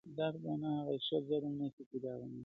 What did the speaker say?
ما په سوغات کي تاته توره توپنچه راوړې,